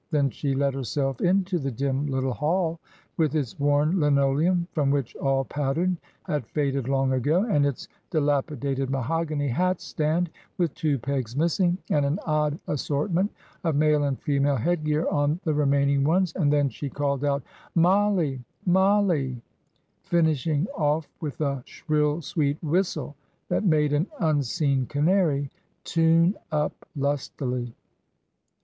Then she let herself into the dim little hall, with its worn linoleum, from which all pattern had faded long ago, and its dilapidated mahogany hat stand with two pegs missing, and an odd assortment of male and female head gear on the remaining ones, and then she called out, "Mollie! Mollie!" finishing off with a shrill, sweet whistle, that made an unseen canary tune up lustily.